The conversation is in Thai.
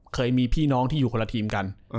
เคยมีพี่น้องที่อยู่คนละทีมกัน